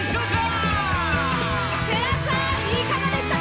いかがでしたか？